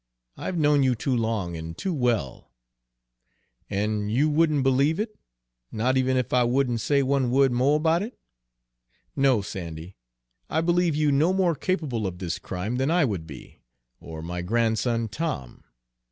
I've known you too long and too well." "An' you wouldn' b'lieve it, not even ef I wouldn' say one wo'd mo' about it?" "No, Sandy, I believe you no more capable of this crime than I would be, or my grandson, Tom.